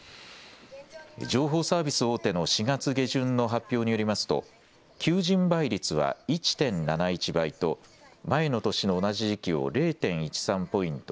情報サービス大手の４月下旬の発表によりますと求人倍率は１．７１倍と前の年の同じ時期を０．１３ポイント